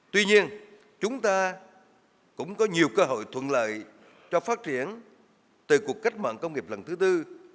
tuy nhiên chúng ta cũng có nhiều cơ hội thuận lợi cho phát triển từ cuộc cách mạng công nghiệp lần thứ tư